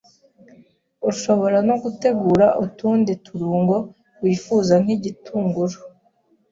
Ushobora no gutegura utundi turungo wifuza nk’igitunguru,